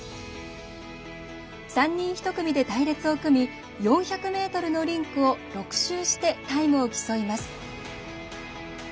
３人１組で隊列を組み４００ｍのリンクを６周してタイムを競います。